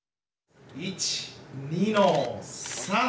・１２の３！